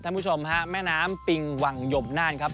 คุณผู้ชมฮะแม่น้ำปิงวังยมน่านครับ